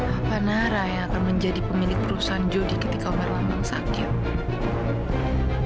apa nara yang akan menjadi pemilik perusahaan jodi ketika merlambang sakit